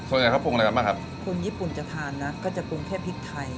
ส่วนใหญ่เขาปรุงอะไรกันบ้างครับคนญี่ปุ่นจะทานนะก็จะปรุงแค่พริกไทย